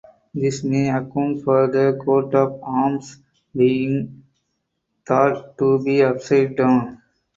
This may account for the coat of arms being thought to be upside down.